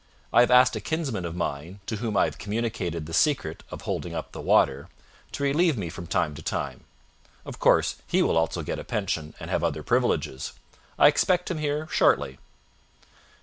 I have asked a kinsman of mine, to whom I have communicated the secret of holding up the water, to relieve me from time to time. Of course he will also get a pension, and have other privileges. I expect him here shortly."